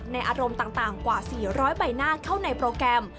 อารมณ์ต่างกว่า๔๐๐ใบหน้าเข้าในโปรแกรม